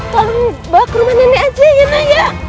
tolong bawa ke rumah nenek aja ya nek